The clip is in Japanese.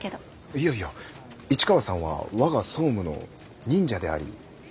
いやいや市川さんは我が総務の忍者であり孫の手ですから。